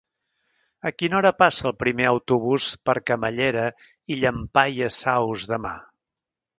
A quina hora passa el primer autobús per Camallera i Llampaies Saus demà?